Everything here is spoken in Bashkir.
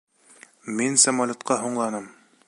Мин самолетҡа һуңланым.